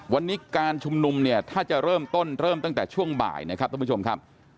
วันนี้การชุมนุมเนี่ยถ้าจะเริ่มต้นเริ่มตั้งแต่ช่วงบ่ายนะครับท่านผู้ชมครับ